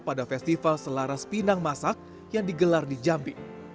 pada festival selaras pinang masak yang digelar di jambi